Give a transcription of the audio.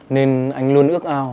nên anh luôn ước ao